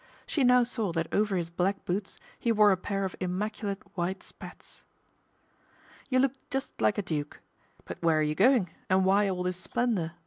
She no\ saw that over his black boots he wore a pair oi immaculate white spats. " You look just like a duke. But where are you going, and why all this splendour